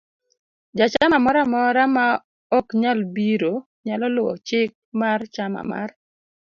Jachamamoro amora ma ok nyal biro, nyalo luwo chik mar chama mar